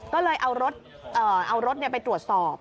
ก็เลยเอารถไปตรวจสอบ